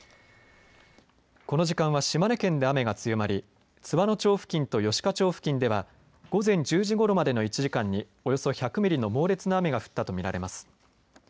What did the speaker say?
この時間は島根県で雨が強まり津和野町付近と吉賀町付近では午前１０時ごろまでの１時間におよそ１００ミリの猛烈な雨が降ったと見られます。